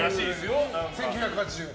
１９８０円。